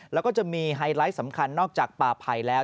แล้วก็จะมีไฮไลท์สำคัญนอกจากป่าไผ่แล้ว